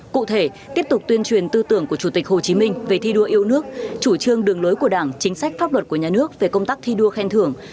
cụ thể tiếp tục tuyên truyền tư tưởng của chủ tịch hồ chí minh về thi đua yêu nước chủ trương đường lối của đảng chính sách pháp luật của nhà nước về công tác thi đua khen thưởng